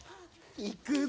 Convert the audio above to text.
いくぞ。